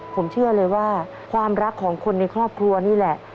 ผมเชื่อเลยว่าความรักของคนในครอบครัวนี่แหละ